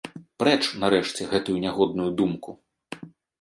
Прэч, нарэшце, гэтую нягодную думку.